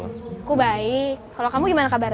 aku baik kalau kamu gimana kabarnya